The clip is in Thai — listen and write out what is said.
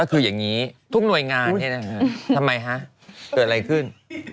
ก็คืออย่างนี้ทุกหน่วยงานทำไมฮะเกิดอะไรขึ้น